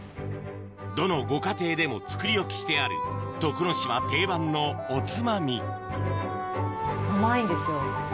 どのご家庭でも作り置きしてある徳之島定番のおつまみ甘いんですよ。